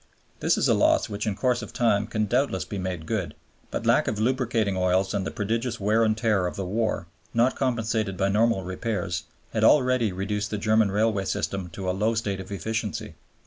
This is a loss which in course of time can doubtless be made good. But lack of lubricating oils and the prodigious wear and tear of the war, not compensated by normal repairs, had already reduced the German railway system to a low state of efficiency.